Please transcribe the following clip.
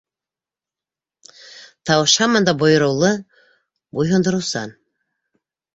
- Тауыш һаман да бойороулы, буйһондороусан.